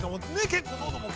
結構。